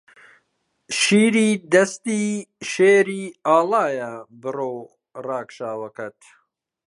شیری دەستی شێری ئاڵایە برۆ ڕاکشاوەکەت